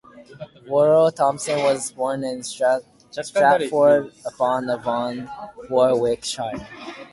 Worrall Thompson was born in Stratford-upon-Avon, Warwickshire.